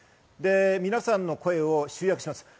皆さんの声を集約しました。